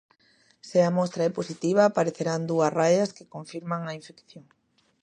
Se a mostra é positiva, aparecerán dúas raias que confirman a infección.